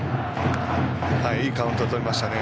いいカウントとりました。